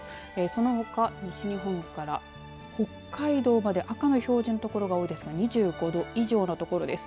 そのほか、西日本から北海道まで赤の表示の所が多いですが２５度以上の所です。